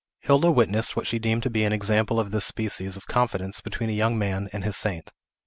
Hilda witnessed what she deemed to be an example of this species of confidence between a young man and his saint.